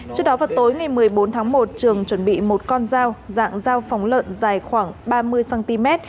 trước đó vào tối ngày một mươi bốn tháng một trường chuẩn bị một con dao dạng dao phóng lợn dài khoảng ba mươi cm